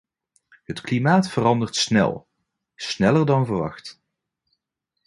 Het klimaat verandert snel, sneller dan verwacht.